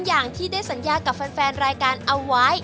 อย่างที่ได้สัญญากับแฟนรายการเอาไว้